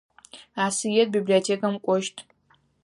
Асыет библиотекэм кӏощт.